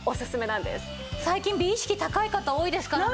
最近美意識高い方多いですからね。